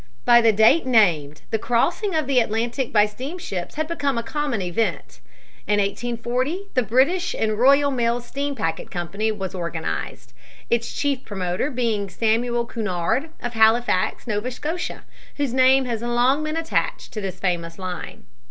By the date named the crossing of the Atlantic by steamships had become a common event. In 1840 the British and Royal Mail Steam Packet Company was organized, its chief promoter being Samuel Cunard, of Halifax, Nova Scotia, whose name has long been attached to this famous line.